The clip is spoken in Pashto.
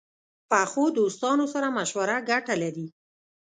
پخو دوستانو سره مشوره ګټه لري